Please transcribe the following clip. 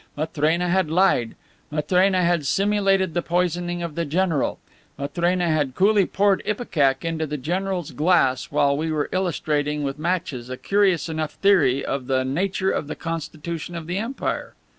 "Matrena had lied. Matrena had simulated the poisoning of the general. Matrena had coolly poured ipecac in the general's glass while we were illustrating with matches a curious enough theory of the nature of the constitution of the empire."